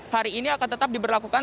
hari ini akan tetap diberlakukan